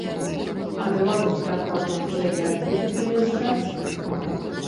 А беларуская прадукцыя як будзе заязджаць?